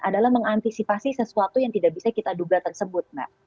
adalah mengantisipasi sesuatu yang tidak bisa kita duga tersebut mbak